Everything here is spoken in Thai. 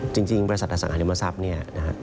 จริงบริษัทอสังหาริมทรัพย์